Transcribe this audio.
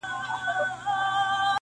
o دا مې یاران دي یاران څۀ ته وایي ,